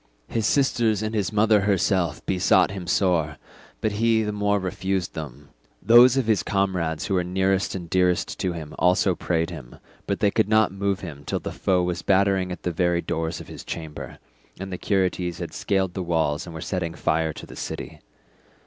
His sisters and his mother herself besought him sore, but he the more refused them; those of his comrades who were nearest and dearest to him also prayed him, but they could not move him till the foe was battering at the very doors of his chamber, and the Curetes had scaled the walls and were setting fire to the city.